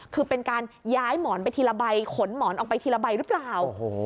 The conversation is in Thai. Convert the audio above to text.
คือเป็นการย้ายหมอนไปทีละใบขนหมอนออกไปทีละใบหรือเปล่า